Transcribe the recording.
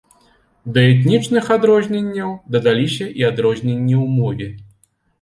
Да этнічных адрозненняў дадаліся і адрозненні ў мове.